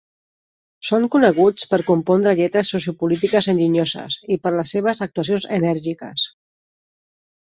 Són coneguts per compondre lletres sociopolítiques enginyoses i per les seves actuacions enèrgiques.